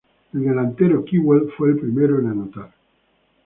El delantero Kewell fue el primero en anotar.